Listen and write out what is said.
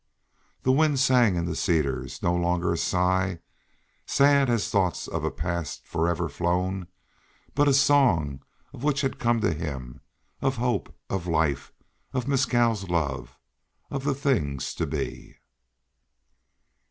The wind sang in the cedars. No longer a sigh, sad as thoughts of a past forever flown, but a song of what had come to him, of hope, of life, of Mescal's love, of the things to be!